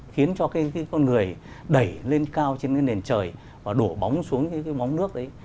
khiến cho cái con người đẩy lên cao trên cái nền trời và đổ bóng xuống cái móng nước đấy